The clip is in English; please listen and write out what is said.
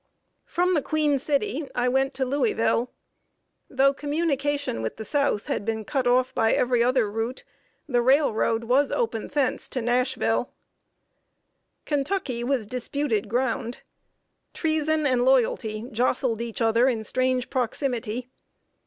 From the Queen City I went to Louisville. Though communication with the South had been cut off by every other route, the railroad was open thence to Nashville. [Sidenote: TREASON AND LOYALTY IN LOUISVILLE.] Kentucky was disputed ground. Treason and Loyalty jostled each other in strange proximity.